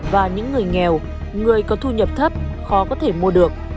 và những người nghèo người có thu nhập thấp khó có thể mua được